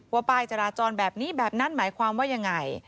ป้ายจราจรแบบนี้แบบนั้นหมายความว่ายังไง